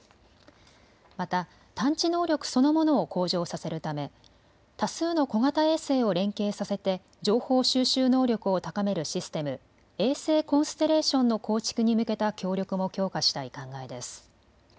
また、探知能力そのものを向上させるため多数の小型衛星を連携させて情報収集能力を高めるシステム、衛星コンステレーションの構築に向けた協力も強化したい考えです。